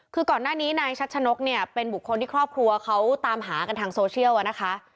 คือก่อนหน้านี้นายชัชนกเนี่ยเป็นบุคคลที่ครอบครัวเขาตามหากันทางโซเชียลนะคะ